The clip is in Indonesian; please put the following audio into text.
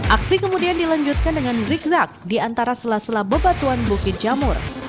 aksi kemudian dilanjutkan dengan zigzag di antara sela sela bebatuan bukit jamur